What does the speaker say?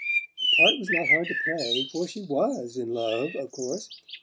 The part was not hard to play, for she WAS in love, of course.